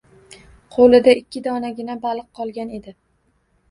Qo`lida ikki donagina baliq qolgan edi